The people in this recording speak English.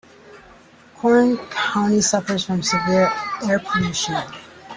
Kern County suffers from severe air pollution.